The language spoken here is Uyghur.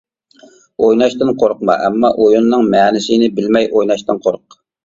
ئويناشتىن قورقما، ئەمما ئويۇننىڭ مەنىسىنى بىلمەي ئويناشتىن قورق.